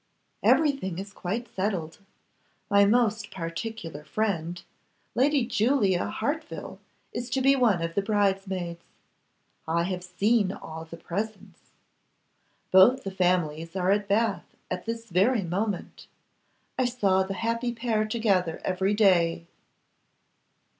'Everything is quite settled. My most particular friend, Lady Julia Harteville, is to be one of the bridesmaids. I have seen all the presents. Both the families are at Bath at this very moment. I saw the happy pair together every day.